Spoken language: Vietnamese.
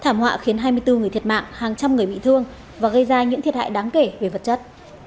thảm họa khiến hai mươi bốn người thiệt mạng hàng trăm người bị thương và gây ra những thiệt hại đáng kể về vật chất